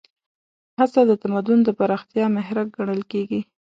هڅه د تمدن د پراختیا محرک ګڼل کېږي.